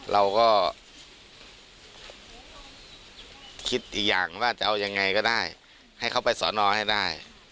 เราก็คิดอีกอย่างว่าจะเอายังไงก็ได้ให้เขาไปสอนอให้ได้